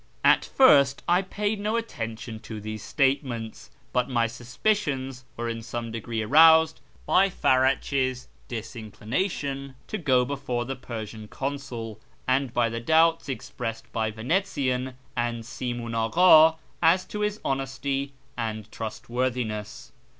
At first I paid no attention to these statements, but my suspicions were in some degree aroused by Farach's disinclination to go before the Persian Consul, and by the doubts expressed by Vanetzian and Simiin Agha as to his honesty and trust worthiness.